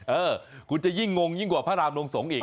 เออคุณจะยิ่งงงยิ่งกว่าพระรามลงสงฆ์อีก